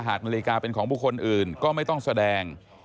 นาฬิกาเป็นของบุคคลอื่นก็ไม่ต้องแสดง